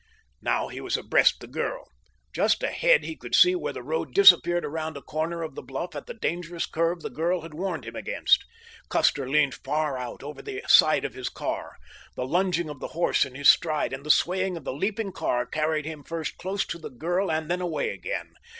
Now he was abreast the girl. Just ahead he could see where the road disappeared around a corner of the bluff at the dangerous curve the girl had warned him against. Custer leaned far out over the side of his car. The lunging of the horse in his stride, and the swaying of the leaping car carried him first close to the girl and then away again.